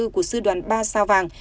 của sư đoàn ba sao vàng